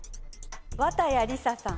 綿矢りささん。